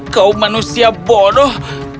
kau manusia bodoh